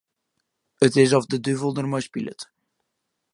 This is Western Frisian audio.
It is oft de duvel dermei spilet.